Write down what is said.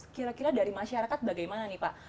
kira kira dari masyarakat bagaimana nih pak